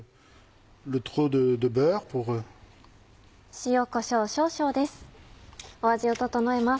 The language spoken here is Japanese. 塩こしょう少々です